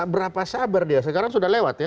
berapa sabar dia sekarang sudah lewat ya